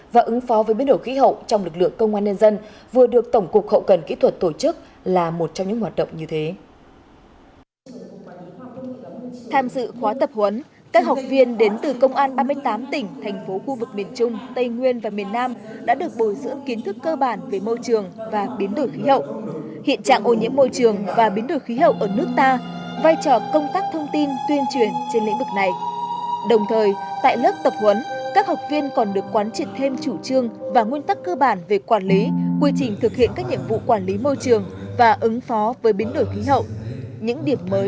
và ứng phó với biến đổi khí hậu những điểm mới trong luật bảo vệ môi trường